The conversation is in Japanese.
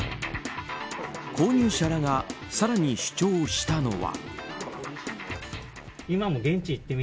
購入者らが更に主張したのは。